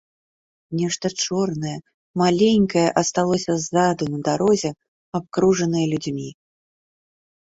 Нешта чорнае, маленькае асталося ззаду на дарозе, абкружанае людзьмі.